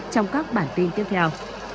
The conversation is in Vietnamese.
trong các bản tin tiếp theo